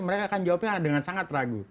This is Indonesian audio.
mereka akan jawabnya dengan sangat ragu